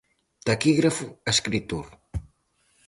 Taquígrafo e escritor.